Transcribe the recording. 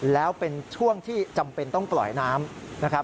แล้วเป็นช่วงที่จำเป็นต้องปล่อยน้ำนะครับ